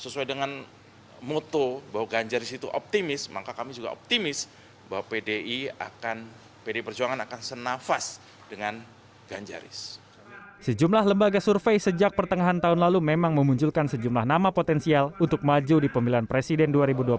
sejumlah lembaga survei sejak pertengahan tahun lalu memang memunculkan sejumlah nama potensial untuk maju di pemilihan presiden dua ribu dua puluh empat